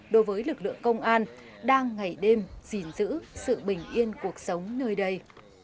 đối với lực lượng công an đang ngày đêm gìn giữ sự bình yên cuộc sống nơi đây